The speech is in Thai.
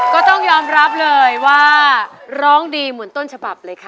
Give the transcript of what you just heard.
ก็ต้องยอมรับเลยว่าร้องดีเหมือนต้นฉบับเลยค่ะ